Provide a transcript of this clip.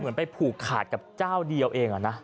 เหมือนไปผูกขาดกับเจ้าเดียวเองอ่ะนะ